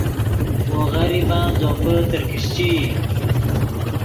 وو غریبن زوپے ترکیشچئی